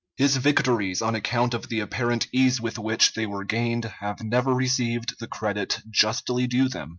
His victories, on account of the apparent ease with which they were gained, have never received the credit justly due them.